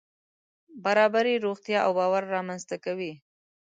برابري روغتیا او باور رامنځته کوي.